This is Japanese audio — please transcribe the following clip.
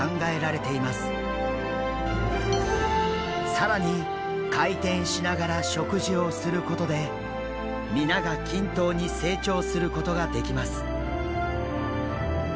更に回転しながら食事をすることで皆が均等に成長することができます。